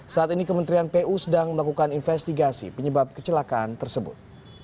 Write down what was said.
saat ini kementerian pu sedang melakukan investigasi penyebab kecelakaan tersebut